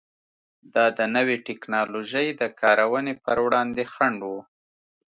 دا د نوې ټکنالوژۍ د کارونې پر وړاندې خنډ و.